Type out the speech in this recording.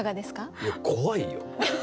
いや怖いよ。